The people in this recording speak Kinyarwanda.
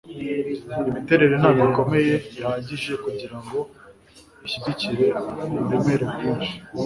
imiterere ntabwo ikomeye bihagije kugirango ishyigikire uburemere bwinshi